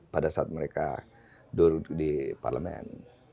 pada saat mereka duduk di parlemen